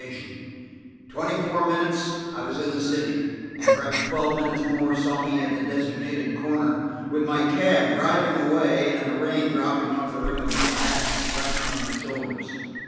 In twenty four minutes I was in the city, and perhaps twelve minutes more saw me at the designated corner, with my cab driving away and the rain dropping off the rim of my hat and splashing on my shoulders.